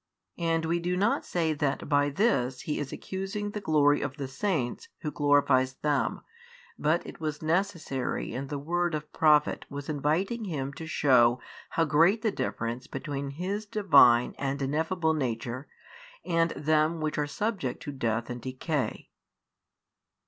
And we do not say that by this He is accusing the glory of the saints, Who glorifies them: but it was necessary and the word of profit was inviting Him to shew how great the difference between His Divine and Ineffable Nature and them which are subject to death and decay.